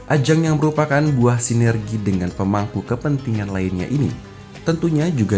ajang yang merupakan buah sinergi dengan pemangku kepentingan lainnya ini tentunya juga